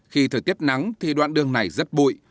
khi thời tiết nắng thì đoạn đường này rất bụi